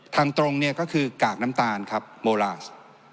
ทางตรงเนี่ยก็คือกากน้ำตาลครับโมลาส